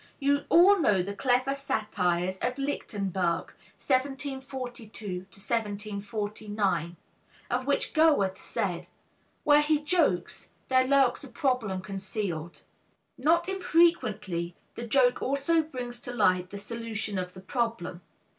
You all know the clever satires of Lichtenberg (1742 1749), of which Goethe said, "Where he jokes, there lurks a problem concealed." Not infrequently the joke also brings to light the solution of the problem.